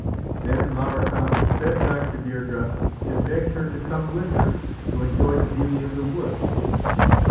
Then Lavarcam sped back to Deirdrê and begged her to come with her to enjoy the beauty of the woods.